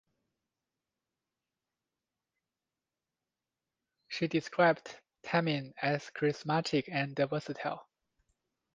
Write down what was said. She described Taemin as charismatic and versatile.